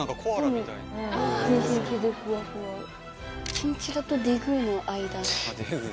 チンチラとデグーの間。